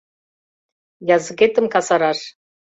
Языкетым касараш.